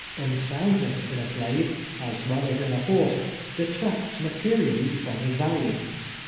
Un soundness in a slave, as well as in a hoi se, detracts materially from his value.